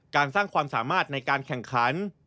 การสร้างความสามารถในการแข่งขัน